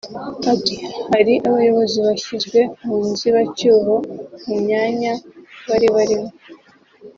Ati “ Hari abayobozi bashyizwe mu nzibacyuho mu myanya bari barimo